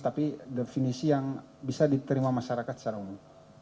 tapi definisi yang bisa diterima masyarakat secara umum